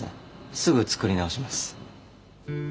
すぐ作り直します。